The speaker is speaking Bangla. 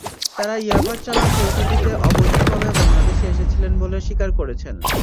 তাঁরা ইয়াবার চালান পৌঁছে দিতে অবৈধভাবে বাংলাদেশে এসেছিলেন বলে স্বীকার করেছেন।